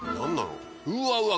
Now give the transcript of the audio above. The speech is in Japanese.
うわうわ！